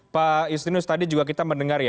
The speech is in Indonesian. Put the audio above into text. pak justinus tadi juga kita mendengar ya